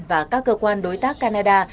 và các cơ quan đối tác canada